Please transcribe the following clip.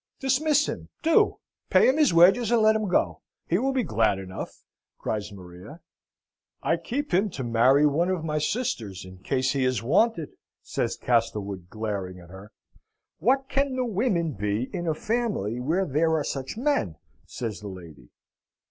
"Dismiss him: do! Pay him his wages, and let him go, he will be glad enough!" cries Maria. "I keep him to marry one of my sisters, in case he is wanted," says Castlewood, glaring at her. "What can the women be in a family where there are such men?" says the lady.